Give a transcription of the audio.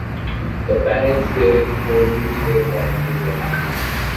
The parents therefore lose their parental rights.